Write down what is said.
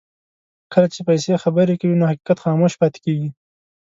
کله چې پیسې خبرې کوي نو حقیقت خاموش پاتې کېږي.